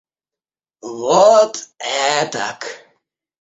Вот этак.